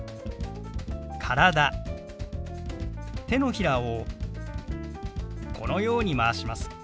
手のひらをこのように回します。